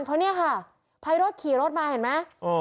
เพราะเนี่ยค่ะไพโรธขี่รถมาเห็นไหม